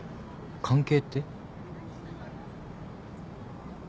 関係って？